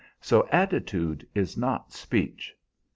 So attitude is not speech.